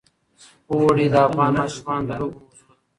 اوړي د افغان ماشومانو د لوبو موضوع ده.